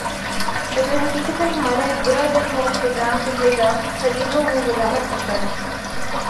اگر حقیقتا ہمارا ایک برا دن ہو پروگرام کہے گا خریدو وہ وضاحت کرتا ہے